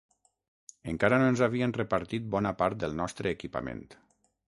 Encara no ens havien repartit bona part del nostre equipament.